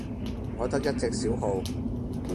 我得一隻小號